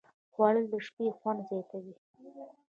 خوړل د شپې خوند زیاتوي